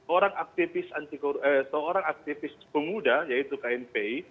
orang aktivis penguda yaitu knpi